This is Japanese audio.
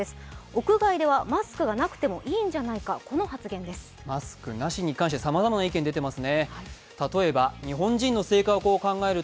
屋外ではマスクがなくてもいいんじゃないか、マスクなしに関してさまざまな意見が出ています。